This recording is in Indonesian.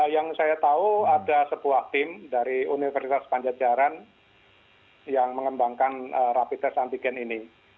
yang saya tahu ada sebuah tim dari universitas panjat jaran yang mengembangkan rapi tes antigen ini